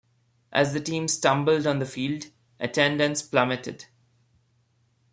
As the team stumbled on the field, attendance plummeted.